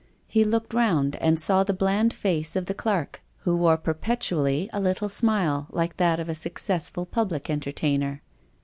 He looked round and saw the bland face of the clerk, who wore perpetually a little smile, like that of a successful public entertainer.